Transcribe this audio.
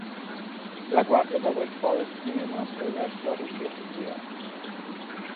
La guardia da Wake Forest viene inoltre eletta Rookie of the Year.